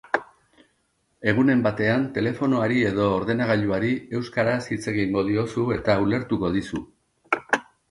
Egunen batean telefonoari edo ordenagailuari euskaraz hitz egingo diozu eta ulertuko dizu.